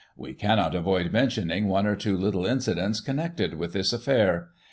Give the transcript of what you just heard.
We cannot avoid mentioning one or two little incidents connected with this affair.